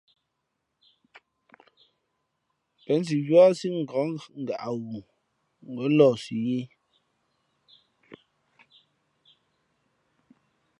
Pěn si yúάsí ngα̌k ngaʼ ghoo, ngα̌ lαhsi yī.